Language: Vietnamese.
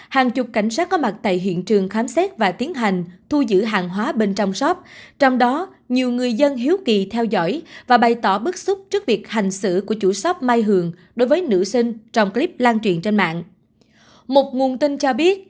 hãy đăng ký kênh để ủng hộ kênh của chúng mình nhé